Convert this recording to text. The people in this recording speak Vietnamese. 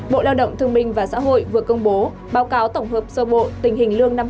bộ lao động thương minh và xã hội vừa công bố báo cáo tổng hợp sơ bộ tình hình lương năm hai nghìn hai mươi